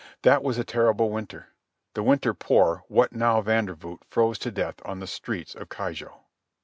That was a terrible winter, the winter poor "What Now" Vandervoot froze to death on the streets of Keijo.